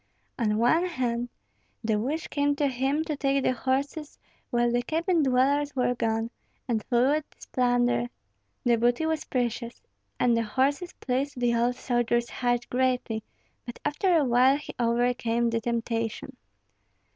On one hand the wish came to him to take the horses while the cabin dwellers were gone, and flee with this plunder. The booty was precious, and the horses pleased the old soldier's heart greatly; but after a while he overcame the temptation.